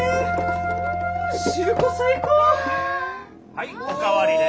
はいお代わりね。